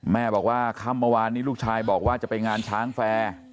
แม่บอกว่าค่ำเมื่อวานนี้ลูกชายบอกว่าจะไปงานช้างแฟร์